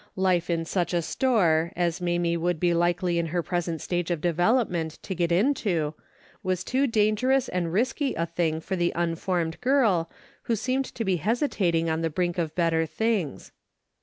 Life in such a store, as Mamie would be likely in her present stage of development, to get into, was too dangerous and risky a thing for the unformed girl, who seemed to be hesitating on the brink of better things.